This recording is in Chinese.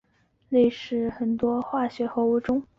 类似的情况也出现在很多其他化合物中。